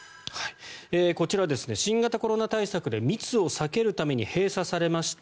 こちらは新型コロナ対策で密を避けるために閉鎖されました